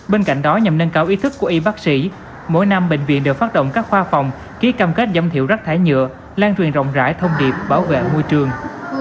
bên cạnh đó nhằm nâng cao ý thức của y bác sĩ mỗi năm bệnh viện đều phát động các khoa phòng ký cam kết giảm thiểu rác thải nhựa lan truyền rộng rãi thông điệp bảo vệ môi trường